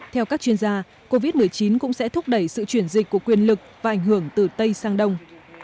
theo các chuyên gia covid một mươi chín cũng sẽ thúc đẩy sự chuyển dịch của quyền lực và ảnh hưởng từ tây sang đông